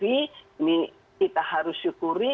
ini kita harus syukuri